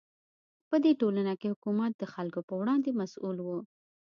په دې ټولنه کې حکومت د خلکو په وړاندې مسوول و.